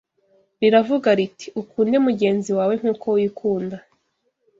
Riravuga riti: “Ukunde mugenzi wawe nk’uko wikunda